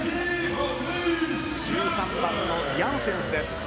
１３番のヤンセンスです。